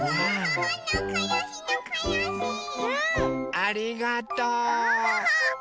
ありがとう！